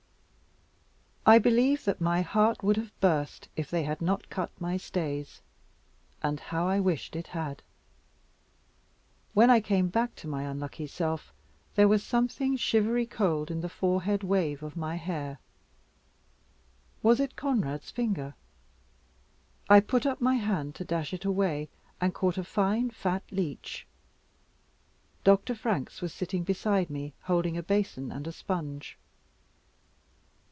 I believe that my heart would have burst, if they had not cut my stays; and how I wished it had. When I came back to my unlucky self, there was something shivery cold in the forehead wave of my hair. Was it Conrad's finger? I put up my hand to dash it away, and caught a fine fat leech. Dr. Franks was sitting by me, holding a basin and a sponge.